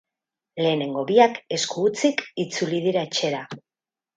Lehenengo biak esku hutsik itzuli dira etxera.